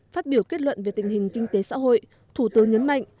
phát biểu kết luận về tình hình kinh tế xã hội thủ tướng nhấn mạnh